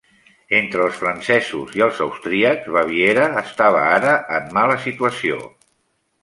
Entre els francesos i els austríacs, Baviera estava ara en mala situació.